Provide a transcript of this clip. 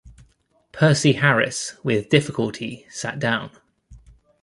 Percy Harris with difficulty sat down.